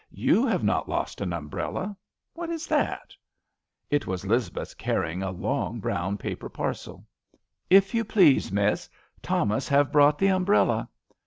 You have not lost an umbrella I What is that ?" It was Lizbeth carrying a long brown paper parcel. " If you please. Miss, Thomas have brought the umbrella."